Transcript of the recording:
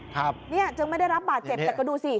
ครับเนี่ยจึงไม่ได้รับบาดเจ็บแต่ก็ดูสิ